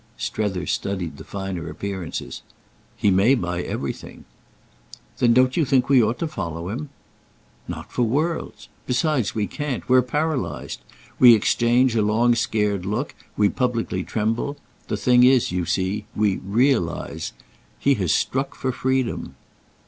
Strether studied the finer appearances. "He may buy everything." "Then don't you think we ought to follow him?" "Not for worlds. Besides we can't. We're paralysed. We exchange a long scared look, we publicly tremble. The thing is, you see, we 'realise.' He has struck for freedom."